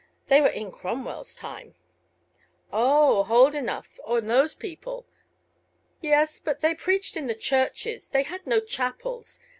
They were in Cromwell's time." "Oh! Holdenough, and those people? Yes; but they preached in the churches; they had no chapels.